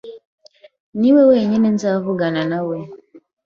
niwe wenyine nzavuganawe.